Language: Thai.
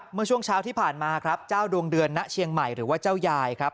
เมื่อช่วงเช้าที่ผ่านมาครับเจ้าดวงเดือนณเชียงใหม่หรือว่าเจ้ายายครับ